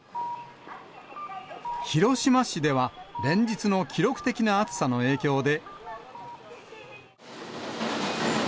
広島市では、連日の記録的な暑さの影響で。